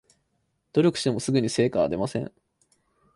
努力してもすぐに成果は出ません